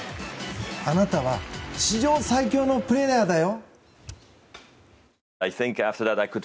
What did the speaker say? あなたは史上最強のプレーヤーだよ！